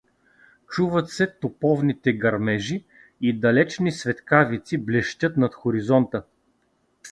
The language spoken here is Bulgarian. Чуват се топовните гърмежи и далечни светкавици блещят над хоризонта.